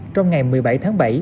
trong ngày một mươi bảy tháng bảy